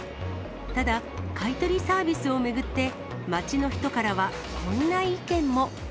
ただ、買い取りサービスを巡って、街の人からはこんな意見も。